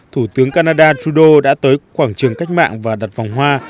thủ tướng canada trudeau đã tới quảng trường cách mạng và đặt vòng hoa